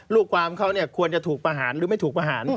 ลูกความเขาเนี่ยควรจะถูกประหารหรือไม่ถูกประหาร